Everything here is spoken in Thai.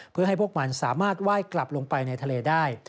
เพื่อให้พวกมันสามารถไหว้กลับลงไปในทะเลได้